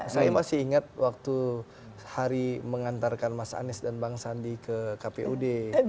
saya masih ingat waktu hari mengantarkan mas anies dan bang sandi ke kpud